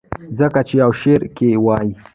ځکه چې يو شعر کښې وائي :